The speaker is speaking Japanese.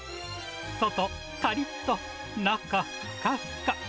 外、かりっと、中、ふかふか。